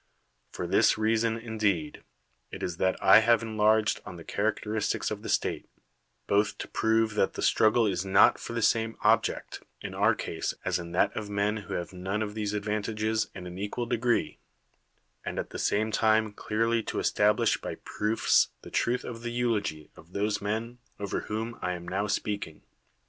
For this reason, indeed, it is that I have en larged on the characteristics of the state; both to prove that the struggle is not for the same object in our ease as in that of men who have none of these advantages in an equal degree; and at the same time clearly to establish by proofs [the truth of] the eulogy of those men over whom I am now speaking.